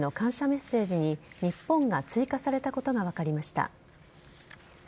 メッセージに日本が追加されたことが分かりました。